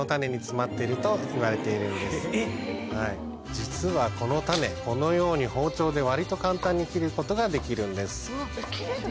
実はこの種このように包丁で割と簡単に切ることができるんです。